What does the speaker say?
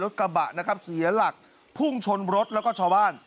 กระบะนะครับเสียหลักพุ่งชนรถแล้วก็ชาวบ้าน